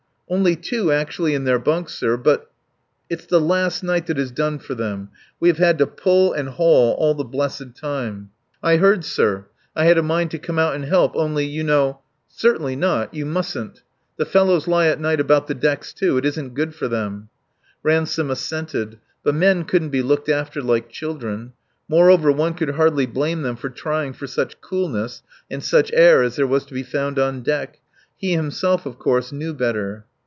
"Only two actually in their bunks, sir, but " "It's the last night that has done for them. We have had to pull and haul all the blessed time." "I heard, sir. I had a mind to come out and help only, you know. ..." "Certainly not. You mustn't. ... The fellows lie at night about the decks, too. It isn't good for them." Ransome assented. But men couldn't be looked after like children. Moreover, one could hardly blame them for trying for such coolness and such air as there was to be found on deck. He himself, of course, knew better.